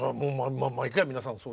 毎回皆さんそうですよ。